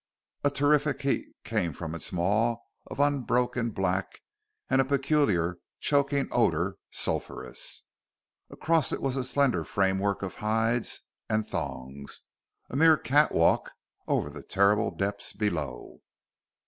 A terrific heat came from its maw of unbroken black, and a peculiar, choking odor, sulphurous. Across it was a slender framework of hides and thongs a mere catwalk over the terrible depths below.